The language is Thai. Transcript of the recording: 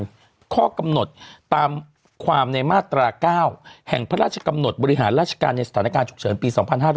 เป็นข้อกำหนดตามความในมาตรา๙แห่งพระราชกำหนดบริหารราชการในสถานการณ์ฉุกเฉินปี๒๕๕๙